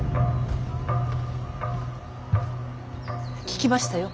聞きましたよ